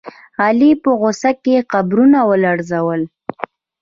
علي په غوسه کې قبرونه ولړزول.